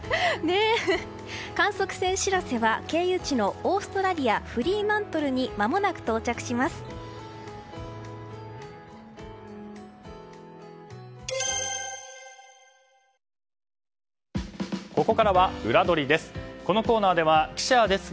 観測船「しらせ」は経由地のオーストラリアフリーマントルにここからは、ウラどりです。